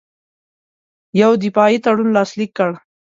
یو دفاعي تړون لاسلیک کړ.